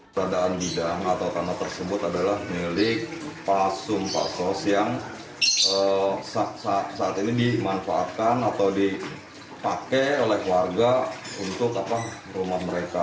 peradaan bidang atau tanah tersebut adalah milik pasun parsos yang saat ini dimanfaatkan atau dipakai oleh warga untuk rumah mereka